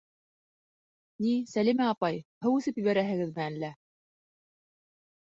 Ни, Сәлимә апай, һыу эсеп ебәрәһегеҙме әллә?!